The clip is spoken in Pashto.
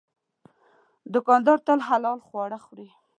دوکاندار تل حلال خواړه خوري.